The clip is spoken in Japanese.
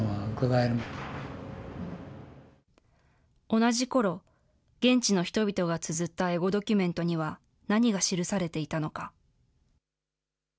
同じころ、現地の人々がつづったエゴドキュメントには何が記されていたのか。